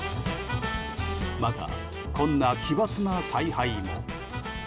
また、こんな奇抜な采配も。